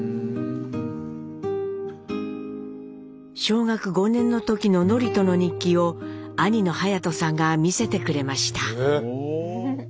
小学５年の時の智人の日記を兄の勇人さんが見せてくれました。